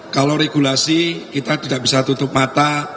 kalau regulasi kita tidak bisa tutup mata